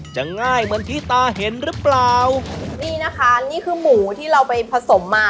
ง่ายเหมือนที่ตาเห็นหรือเปล่านี่นะคะนี่คือหมูที่เราไปผสมมา